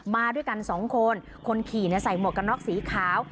มาด้วยกันสองคนคนขี่ใส่หมวกกันน็อกสีขาว